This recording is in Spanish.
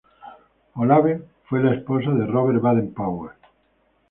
Olave fue la esposa de Robert Baden-Powell.